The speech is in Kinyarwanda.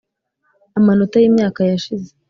amanota yimyaka yashize,